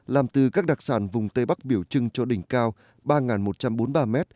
làm từ các đặc sản vùng tây bắc biểu trưng cho đỉnh cao ba một trăm bốn mươi ba m